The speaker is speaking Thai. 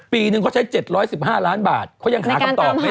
ปีนึงเขาใช้๗๑๕ล้านบาทเขายังหาคำตอบไม่